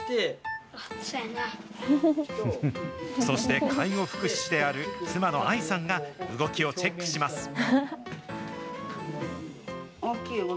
そして介護福祉士である妻の亜衣さんが動きをチェックします。